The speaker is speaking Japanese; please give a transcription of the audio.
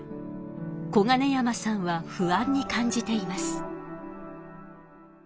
小金山さんは不安に感じています。